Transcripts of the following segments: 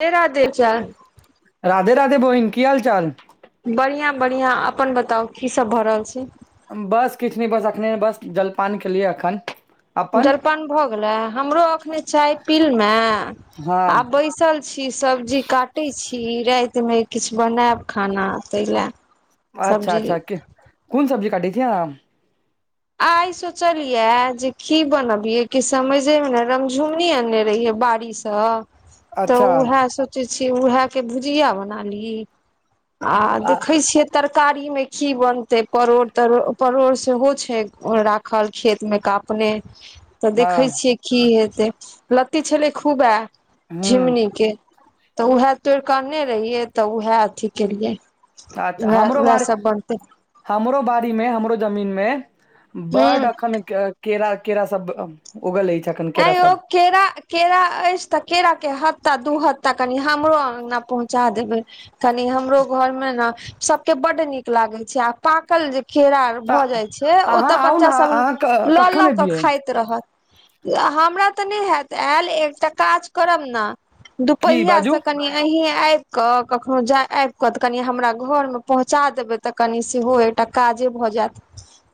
राधे राधे राधे राधे बोहिन की हाल चाल बढ़ियां बढ़ियां अपन बताउ की सब भऽ रहल छै बस किछु नहि बस एखने बस जलपान केलिए एखन जलपान भऽ गेलै हमरो अखने चाय पीलू हें हँ आब बैसल छी सब्जी काटैत छी रातिमे किछु बनायब खाना ताहिलए अच्छा सब्जी अच्छा के कोन सब्जी काटै छे आइ सोचलिये जे की बनबिये कि समझे मे ने रमझुमनी आने रहिये बारिश तऽ अच्छा उएह सोचै छियै उएह के भुजिया बना ली आ देखैत छियै तरकारी मे की बनते परोड़ तोड़ परोड़ सेहो छै राखल खेत मे का अपने तऽ देखै हँ छीयै की हेतै लत्ती छलै खूब हूँ झिंगुनी के तऽ उएह तोड़िकऽने रहियै तऽ उएह अथी केलियै अच्छा हमरो वैहे बारी सब बनतै हमरो बाारी मे हमरो जमीन मे हूँ बड्ड अखन केरा केरा सब उगल अछि अखन ऐं केरा यौ सब केरा केरा अछि तऽ केराक के हत्ता दू हत्ता कनि हमरो अंगना पहुँचा देबै कनी हमरो घर मे ने सबके बड्ड नीक लागै छै आ पाकल जे केरा भऽ तऽ जाइ छै ओ अहाँ तऽ आउ ने बच्चा सब अहाँ क- लऽ कखन लऽ के एबियै खाइत रहत हमरा तऽ नहि होयत आयल एकटा काज करब ने की दुपहिया सँ बाजू कनी अहीं आबि कऽ कखनोहु जा आबि कऽ तऽ कनि हमरा घरमे पहुँचा देबै तऽ कनि सेहो एकटा काजे भऽ जायत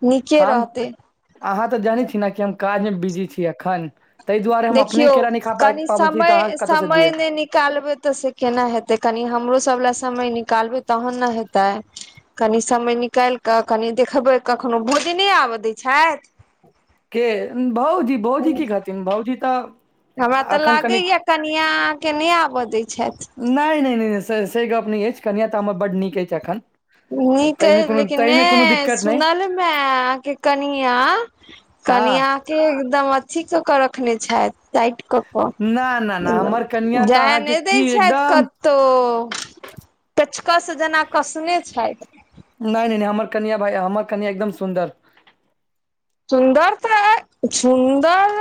[unintelligible] हम रहतै अहाँ तऽ जानै छी ने कि हम काजमे बिजी छीिय एखन ताहि दुआरे हम अपने देखियौ केरा न खा पा कनि पाबै छी त समय अहाँके कतय से समय दिये नहि निकालबै तऽ से केना हेतै कनि हमरो सब लए समय निकालबै तहन ने हेतै कनि समय निकालि कऽ कनि देखबै कखनो भोजने आबय दै छथि के भउजी भउजी की कहथिन भउजी तऽ हमरा तऽ एखन कनि लागैया कनिया के नहि आबऽ दय छथि नहि नहि नहि नहि से गप नहि अछि कनि तऽ हमर बड्ड नीक अछि एखन नीक ताहिमे कोनो लेकिन ताहिमे कोनो नहि दिक्कत नहि सुनलमे अहके कनि आ हाँ के एकदम अथी क के रखने छथि टाईट कऽ ना ना ना हमर कऽ कनिया तऽ जाय अहाँके नहि दै की छथि एकदम कतो पेचकस सँ जेना कसने छथि नहि नहि नहि हमर कन्य भाइ हमर कनिया एकदम सुन्दर सुन्दर तऽ सुन्दर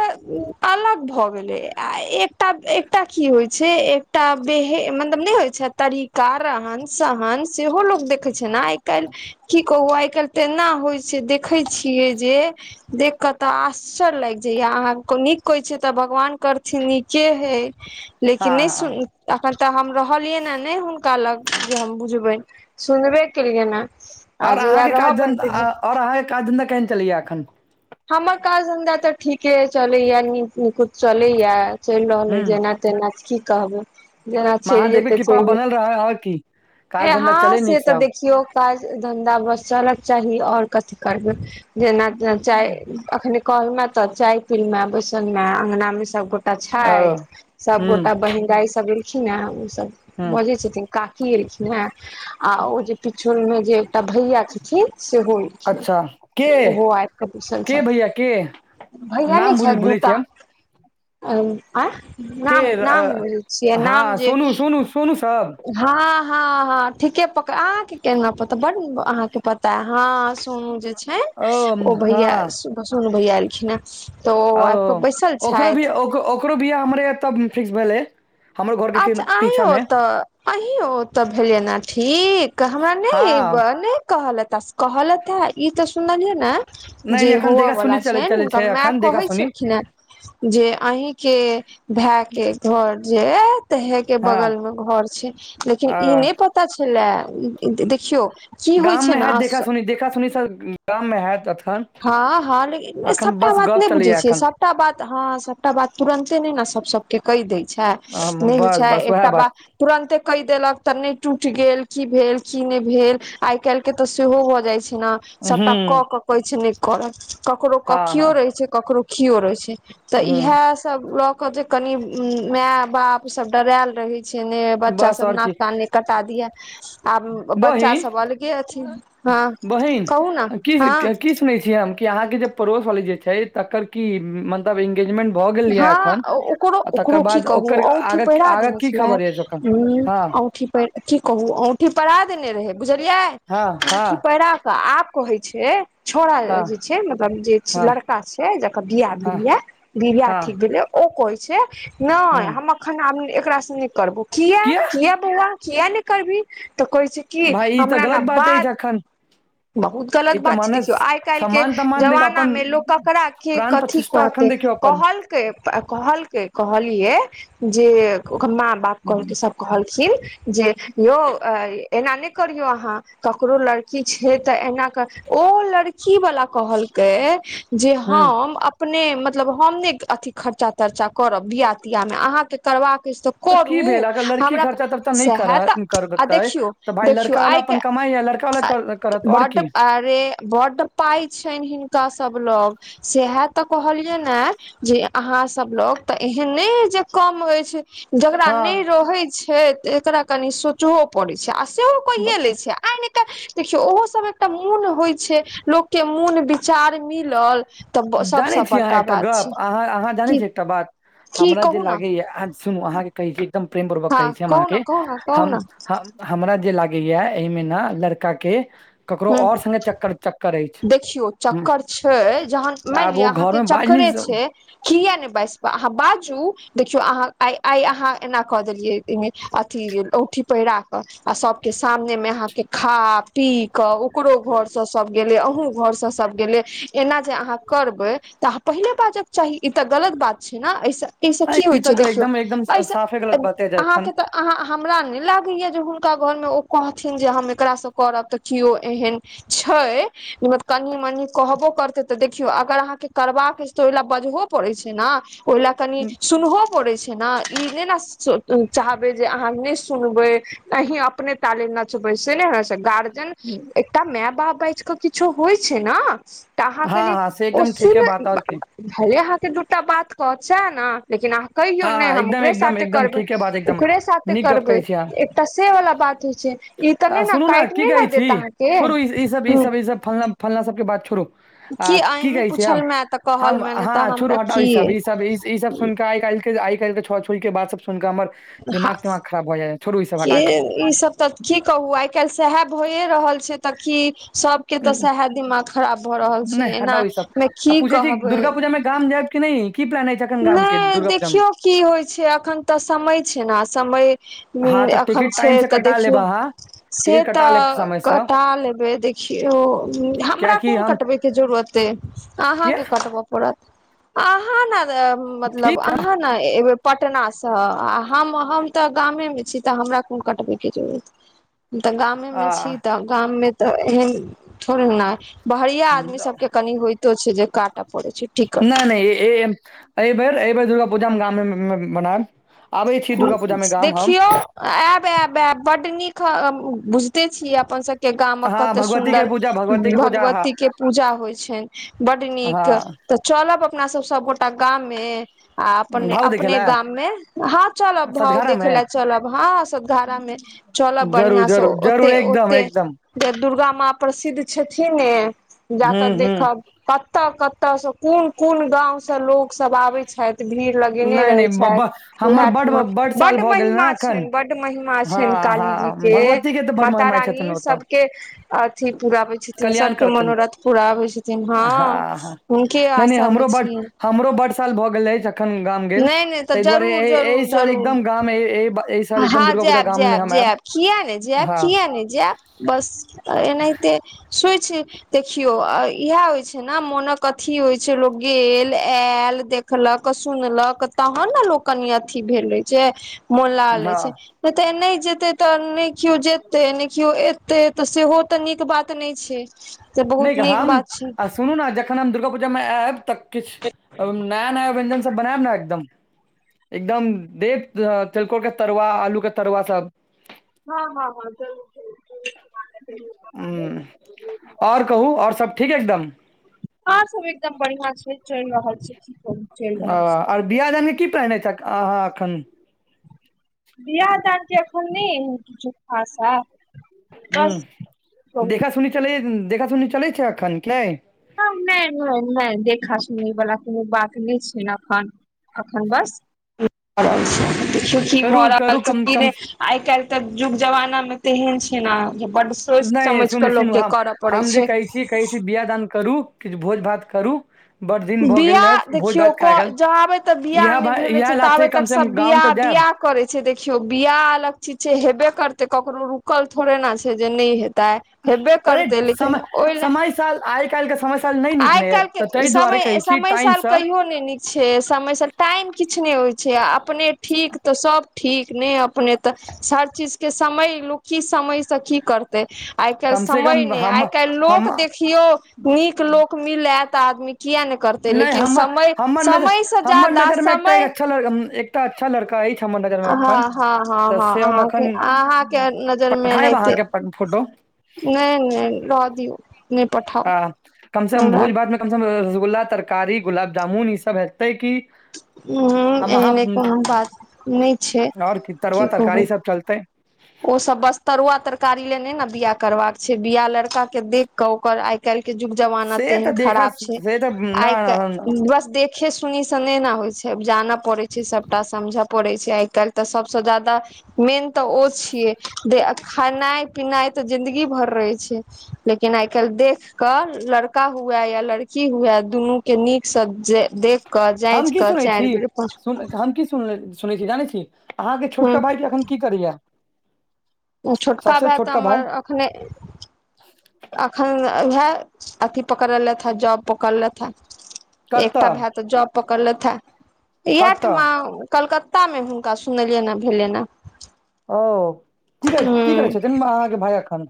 अलग भऽ गेलै आ एक एक एकटा की होइ छै एकटा बेहे मतलब नहि होइ छै तरीकान सहन सेहो लोकोग देखैत छै ने आइ काल्हि की कहू आइ काल्हि तेना होइ छै देखै छियै जे देख क तऽ आश्चर्य लागि जायया अहाँ नीक कहै छियै तऽ भगवान करथिन नीके हे हँ लेकिन नहि हँ सुन अखन तऽ हम रहलियै ने नहि हुनका लग जे हम बुझबै सुनबे केलियै ने आ आओर जहिया अहाँके काज रहबनि धन्धा त आओर अहाँके क धन्धा केह चलैा एखन हमर काज धन्धा तऽ ठीके चलैया नीक नुद चलैया चलि रहल अछि हूँ जेना तेना की कहबै जेना चलि महादेव के जेतै कृपा चलि बनल जेतै रहै आओर की ह काज धन्धा हँ चलै से नीक तऽ सँ देखियौ काज धंधा बस चलक चाही आओर कथि करब जेना तेना चाय अखने कहलमे तऽ चाय पी मे बसन मे अंगनाी सब त ओ छथि हूँ सबगोटा बहिनदाई सब एलखिन ओसभ हूँ बजै छथिन काकी एलखिन ह ओ जे पिछल मे जे एकटा भैया छथिन सेहोखिन अच्छा के ओहो आब कऽ बैसल के छथि भैया के भैय नहि नाम भूल छथि भूलै दूटा छियै हम आ के नाम नाम बुझैछियै नाम जे सोनु सब हँ हँ हँ ठीके प अहा के केना पता बड़ अहाँके पता हँ सोनू जे छै ओ भैया हँ सोनू भैआ एलखिन हेँ तो ओ आबि कें बैसल छथि ओकोरो बियाह हमरे ओतह फिक्स भेले हमरो घर के पीछा मे अहि ओतऽ भेलै ने ठीक हमरा नहि अब हँ ने कहल त कहलत है ई तऽ सुन्लीय है ने नहि नहि जे एखन होव देखा सुनी वला चलै छैन चलै छै हुनका माय एखन देखा कहै सुनी छलखिन हे जे अहीं के भाय के घर जात त हे के हँ बगल मे घर छै लेकिन अ ई नहि पता छले देखियौ की होइ गाम छै मे ने हैत देखा देखा सुनि सब कम हैत एखन हँ हँ लेकिन अखन सबटा बस बात गप नहि बुझै चलैया छियै एखन सब सबटा बात हँ सबटा बात तुरन्ते नहि ने सब सब के कहि दै छै नहि होइ बस छै बस उएह एकटा बात तुरन्ंते कहि देलक तऽ नहि टूटि गेल की भेल की नहि भेल आइ काल्हि के तऽ सेहो भऽ जाय छै ने हूँ सभटा कऽके कहै छै, नहि करब ककरो हँ कखनो हँ रहै छै, ककरो कहिओ रहै छै। तऽ हूँ इएहिसभ लऽ कऽ जे कनि माय बाप सभ डरायल रहैत छै ने। बच्चा बस सभ आओर की नाक कान नहि कटा दिए। आब बच्चा बहिन सभ अलगे अथि। हँ, बहिन कहू ने की हँ की कि अहाँके जे पड़ोस वाली छथि, तकर की मन्तव्य इ? गेजमेंट भऽ गेल यऽ हँ एखन, ओकरो आ तकर ओकरो की बाद कहू औँठी पहिरा ओकरा देने की छलै खबर यऽ? ह औँठी की कहू, औँठी पहिरा देने रहै बुझलियै, हँ हँ औँठी पहिरा। तऽ आब कहै छै। छोड़ा हँ जे छै, मतलब जे हँ लड़का छै, जकर बियाह हँ भेलै यऽ, बियाह हँ ठीक भेलै यऽ। ओ कहै छै, नहि, हूँ हम एखन एकरासँ नहि करब। कियै किएक बौआ, किएक नहि करबै? तऽ कहै छै की भाय ई तऽ हमरा गलत ने अछि बात। एखन बहुत गलत ई तऽ बात छै, माने देखियौ, आइ सम्मान काल्हिक तम्मान देखियौ अपन जमानामे लोक ककरा के प्राण कथी। प्रतिष्ठा एखन कहते देखियौ अपन कहलकै, कहलकै, कहलियै जे ओकर माँ बाप। कहलके हूँ सभ कहलखीन जे यौ, एना नहि करियौ, अहाँ ककरो लड़की छै तऽ एना कऽ। ओ लड़की वला कहलकै जे हम अपने मतलब हम नहि अथी, खर्चा तर्चा करब बिआ तिआमे अहाँके करबाक अछि तऽ। तऽ की करू भेल अगर लड़की हमरा खर्चा तर्चा तऽ नहि कर सएह तऽ आ करतै देखियौ तऽ, भाय लड़का वाला। अपन कमाइ या लड़का करत आओर बड की अरे बड पाय छै, हिनका सभ लग सेहा तऽ कहली यन है जे अहा सभ लोग तऽ एहन नहि जे कम होय छै। जकरा हँ नहि रहैत छै, एकरा कनि सोचबो पड़ैत छै आ सेहो। कऽ रहल छै आ देखियौ, ओहो सभ एकटा मन हो। छै, लोकके मन विचार मिलल तऽ जानै सबसँ बड़का बात छै की। बाद की हमरा जे कहू ने लागै या सुनू, अहाँके कहै छी, एकदम प्रेमपूर्वक हँ कहै छी हम कहू ने अहाँके कहू ने कहू हम ने हमरा जे लागैए, एहिमे ने लड़का के ककरो हूँ आओर सङ्गे चक्कर। चक्कर अछि देखियौ हम्म, चक्कर छै, जहन मानि आब लिअ ओ घर अहाँके मे बाज नहि चक्करे छै। किएक ने बाजि पऽ? अहाँ बाजू, देखियौ, अहाँ आइ एना कऽ देलियै। अथि, औँठी पहिरा कऽ, आ सभके सामनेमे अहाँके खा पी। कऽ ओकरो घरसँ सब गेलै, अहूँ घरसँ सभ गेलै, एना जे अहाँ करबै तऽ पहिने बाजऽ के चाही, ई तऽ गलत बात छै ने एहिसँ। एहिसँ की होइ ई छै, तऽ देखियौ, एकदम एकदम एहिसँ साफे गलत बाते अहाँके जखन तऽ। अहाँ हमरा नहि लागैए जे हुनका घरमे ओ कहथिन जे हम एकरा करब तऽ। केओ एहन छै। कनि मनि कहबो करतै तऽ, देखियौ, अगर अहाँके करबाक अछि तऽ ओहि लऽए बजहो पड़ै छै ने। ओइ लए कनि सुनहो पड़ै छै। ने, ई नहि ने चाहबै जे अहाँ नहि सुनबै। अहीं अपने तऽ ताले नचबै से ने है सेगार्। हू तऽ माय बाप बाजि कऽ किछो होइ छै ने, तऽ अहाँ हँ कनि हँ से ओ एकदम सुन। ठीके बात आओर की भले अहाँके दूटा बात कहत सेहे ने लेकिन अह कहियौ नहि, हँ हम एकदम ओकरे एकदम साथे एकदम करबै, ठीके बात एकदम ओकरे साथे नीक गप करबै, कहै छी अहाँ एकटा सेबला बात होइ छै। ई तऽ नहि आ ने, सुनू काटि की नै कहै देत अहाँके ह। फल्ला फल्ला सभके बात छोडु आ की अहीं कहै छी हम? पूछल मे तऽ कहल हम मे नहि तऽ हँ, हमरा छोड़ू, हटाउ ई की सभ, ई सभ सुनि कऽ आइ काल्हि। आइ काल्हिक छोड़ा छोड़ी सभके बात सुनि कऽ हमर दिमाग तिमाग खराब भऽ जाइए। क ई सब तऽ की कहू आइ काइल सएहे भइए रहल छै तऽ की सबके तऽ न- सएह दिमाग खराब भऽ रहल छै नहि एना हटाउ ई सब मे आ की पूछै छी कहबै दुर्गा पूजा मे गाम जायब कि नहि क प्लान हइ अइछ एखन गाम के नहि दुर्गा पूजा मे देखियौ की होइ छै अखन तऽ समय छै ने समय हुँ हँ तऽ एखन टिकट छै टाइम से तऽ कटा लेब देखियौ अहाँ से टिकट कटा लेब तऽ समय सँ कटा लेबै देखियौ हमरा कियाकि कोन हम कटबै के जरूरत अहाँ किया कें कटब परत अहाँ ने ठीक मतलब छै अहाँ ने एबै पटना से आ हम तऽ गामे मे छी तऽ हमरा कोन कटबे के जरूरत तऽ गामेमे छी आ तऽ गाममे तऽ एहन थोड़ ना बहरीया आदमी सब के कनि होयतो छै जे काट पड़ै छै टिकट नहि नहि एहि बेर एहि बेर दुर्गा पूजामे गाममे बनायब आबै छी दुर्गा पूजा मे गाम हम देखियौ आयब आयब आयब बड नीक बुझिते छी अपन सबके गामक हँ कते भगवती के सुन्दर पूजा के पूजा ह भगवती के पूजा होइ छैन बड नीक हँ चलब अपना सब सबगोटा गाम मे आ अपने भाव देखे अपने लए गाम मे ह चलब भाव सतघारा मे देखे लए चलब हँ सद्घघारा मे चलबऽ जरूर बढ़िआंसँ जरूर जरूर ओते एकदम ओते एकदम जे दुर्गा माँ प्रसिद्ध छथिन ने हू जाकऽ हू देखब कतऽ कतयसँ कोन कोन गाँंव से लोक सब आबै छैथ भीड़ लगेने नहि रहै नहि ब छैथ ब, हमर उएह बड ह साल बड भऽ गेल महिमा ने एखन छैन बड महिमा छैन हँ काली जी हँ के भगवती तऽ बड माता महिमा रानी छथिन ओतऽ सब के अथि पूराबै छथिन कल्याण सबके करतन मनोरथ पूराबै छथिन हँ हुनके नहि नहि आशा मे हमरो बड छिय हमरो बड साल भऽ गेल अछि अखन गाम गेल नहि नहि तऽ ताहि दुआरे जरूर एहिएहि जरूर साल जरूर एकदम गाम साल एकदम हँ दुर्गा पूजा जायब गाम मे जायब हम आयब जायब किया ने जेब हँ किया नहि जाब बस एनहिते सुइ छ देखियौ इएह होइ छै ने मोनक अथी होइ छै लोक गेल आयल देखलक सुनलक तहन ने लोक कनि अथी भेल रहै छै मो लला लै हँ छै नहि ते नहि जेते तऽ ने केओ जेते ने केओ एते तऽ सेहो ते नीक बात नहि छै [inaudible] नहि नीक हम बात छै आ सुनू ने जखन हम दुर्गा पूजा मे आयब तऽ किछु नया नया व्यंजन बनायब ने एकदम एकदम देब तिलकोर के तरुआ आलू के तरुआ सब हँ हँ हँ जरूर जर हूं आओर कहू आओर सब ठीक एकदम आ सब एकदम बढ़ियां छै चलि रहल छै चलि आ रहल छै आर बियाह दान के की प्लान अछि अहाँ एखन बिहा दानके एखन ने किछु खास बस हुँ देखा सुनि चल देखा सुनी चलै छै एखन के नहि नहि नहि देखा सुनि वलाा कोनो बात नहि छै एखन अखन बस भ रहल छै देखियौ की भऽ करू करू रहल छै कम कि कम आइ काल्हि तऽ युग जमाना में तेहन छै ने जे बड सोचि नहि समझ सुनू कऽ लोक सुनू के हम करऽ पड़ै हम जे छै कहै छी कहै छै बियाह दान करू किछु भोज भात करू बड दिन भऽ गेल बिआह रहै भोज देखियौ भात क खा गेल ज आबे तक बिआह इएह नहि भा भेलै इएह छै लाथे ताबे कम तक से कम सब गाँव बिआह तऽ जायब बिआह करै छै देखियौ बियाह अलग चीज छै हेबे करते ककरो रुकल थोड़े ने छै जे नहि हेतै तऽ हेबे पर करतै लेकिन समय ओहि लए समय साल आइ काल्हि समस्या आइ काल्हि के समय समय टाइम साल सँ कहियो ने नीक छै समय साल टाइम किछु ने होइ छै छै आ अपने ठीक तऽ सब ठीक ने अपने तऽ हर चीज के समय लो की समय से की करत आइ काल्हि कम से समय कम नहि हम आइ काल्हि लोक हम देख केओ नीक लोक मिले तऽ आदमी किया ने करतै नहि लेकिन हमर समय समयसँ ज्यादा समय अच्छ एकटा अच्छा लड़का अछि हमर नजर मे हँ अखन हँ हँ तऽ हँ से हम अहाँके अखन अहाँके नजर मे पठायब एनाहिते अहाँके फोटो नहि नहि रह दियौ नहि पठाउ हँ कम से कम हमरा भोज भातमे कम से कम रसगुल्ला तरकारी गुलाबजामुन ई सब हतै की [inaudible] उंम्म एहने कोनो बात नहि छै आओर तरुआ की तरकारी कहु सब चलतै ओसभ बस तरुआ तरकारी ले नै ने बियाह करबाक छै बियाह लड़का के देख कऽ ओकर आ आइ काल्हि के जुग जमाना से तेहन तऽ देखऽ खराब छै से तऽ ना आइ ना ना। बस देख देखें सुनीसँ नहि ने होइत छै जानय पड़ैत छै सभटा समझय पड़ैत छै आइ काल्हि तऽ सभसँ ज्यादा मेन तऽ ओ छियै जे खेनाइ पिनाइ तऽ जिंदगी भर रहै छै लेकिन आइ काल्हि देख कऽ लड़का हुए या लड़की हुए दुनू के नीकसँ जे देख कऽ हम जाँचि की कऽ सुनै छी चारि बेर पाँच सुन हम की सुन सुनै छी जानै छी अहाँ के ह छोटका भाईजी अखन की करैया छोटका भाय तऽ हमर अखने एखन उएह अथि पकड़ लेथ हे जॉब पकड़ लेथि हेँ एकटा कतऽ भाई तऽ जब पकड़लथ कतऽ इहेठमा कलकत्ता मे हुनका सुनलिए यै भेलन्हि अ ओ की कर की करै छथिन अहाँके भाइ एखन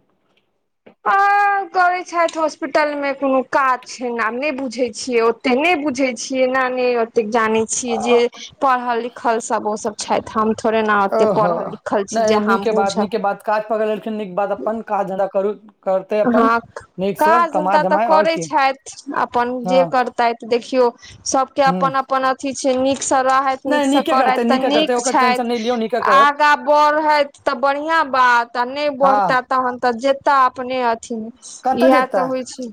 हँ [inaudible] करे छथि हॉस्पिटल मे कोनो काज छै आब नहि बुझे छियै ओते नहि बुझे छियै नऽ नहि ओतेक जानै छियै जे पढ़ल लिखल सभ ओसभ छथि हम थोड़े ने ओतेक ओहो पढ़ल लिखल छी नहि जे हम नीके बात बूझब नीके बात काज पकड़ लेलखिन्ह नीक बात छै अपन काज धंधा करू करतै अपन हँ नीकसँ काज कमा धंधा तऽ धमाय आओर करैत की छथि अपन जे हँ कर तऽ देखियो सब के ह अपन अपन अथी छै निक से रह नहि नीकसँ नीके करथि करतै तऽ नीके करतै नीक ओकर टेंशन नहि छथि लियौ नीके करत आगाँ बढ़ैत तऽ बढ़िआँ बात आ नहि हँ बढ़ता तहन तऽ जेताह अपने अथीमे कतऽ इएह तऽ जेतै होइ छै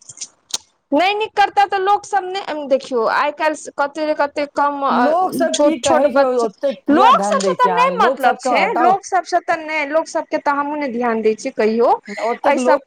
नहि नीक करताे तऽ लोक सब नहि देखियो आइ काल्हि कते ने कते कम लोक सब की छोट छोट कहै छै बच्चा ओते किया लोक ध्यान दै सबसँ तऽ छै अहाँ नहि लोक मतलब सबके छै हटाउ लोक सबसँ तऽ नहि लोक सब के तऽ हमूँ ने ध्यान दय छीयै कहियो ओतेक एहि सब लोग